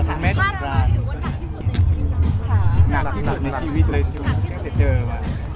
แม็กซ์ก็คือหนักที่สุดในชีวิตเลยจริงแม็กซ์ก็คือหนักที่สุดในชีวิตเลยจริง